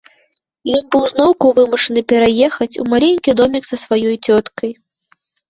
Ён быў зноўку вымушаны пераехаць у маленькі домік са сваёй цёткай.